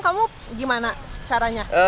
bapak bapak gimana caranya